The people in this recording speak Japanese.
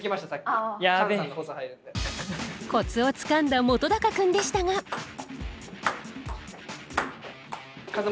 コツをつかんだ本君でしたがカンさん